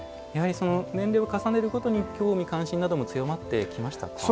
年齢を重ねるごとに興味、関心なども強まってきましたか？